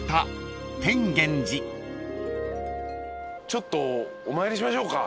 ちょっとお参りしましょうか？